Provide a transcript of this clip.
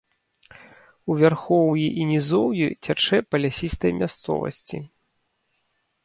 У вярхоўі і нізоўі цячэ па лясістай мясцовасці.